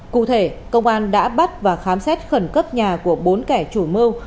cụ thể công an đã bắt và khám xét khẩn cấp nhà của bốn kẻ chủ mưu